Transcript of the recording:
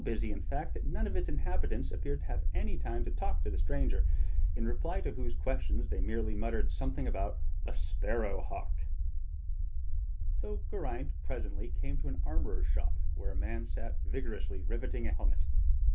\ 56 THE STORY OF KING ARTHUR indeed — so bus}', in fact, that none of its inhabitants appeared to have any time to talk to the stranger, in reply to whose questions they merely muttered something about a "sparrow hawk." So Geraint presently came to an armorer's shop where a man sat vigorously riveting a helmet.